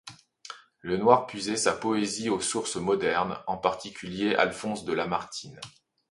Lenoir puisait sa poésie aux sources modernes, en particulier Alphonse de Lamartine.